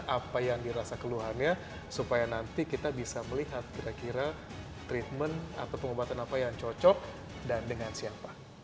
apa yang dirasa keluhannya supaya nanti kita bisa melihat kira kira treatment atau pengobatan apa yang cocok dan dengan siapa